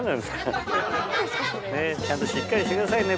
ちゃんとしっかりしてくださいね